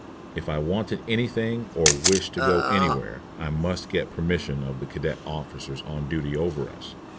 If I wanted any thing or wished to go anywhere, I must get permission of the cadet officers on duty over us.